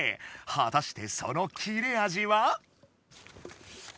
はたしてその切れあじは？